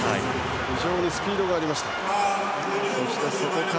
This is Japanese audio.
非常にスピードがありました。